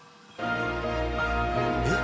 えっ？